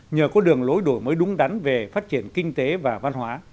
nhờ có đường lối đổi mới đúng đắn về phát triển kinh tế và văn hóa